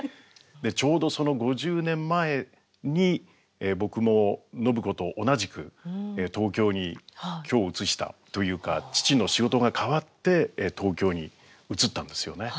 ちょうどその５０年前に僕も暢子と同じく東京に居を移したというか父の仕事が変わって東京に移ったんですよね。